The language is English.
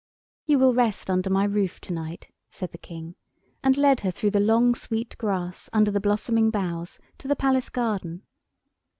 "You will rest under my roof to night," said the King, and led her through the long sweet grass under the blossoming boughs to the Palace garden.